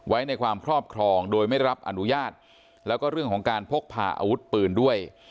ไว้ในความครอบครองโดยไม่รับอนุญาตแล้วก็เรื่องของการพกพาอาวุธปืนด้วย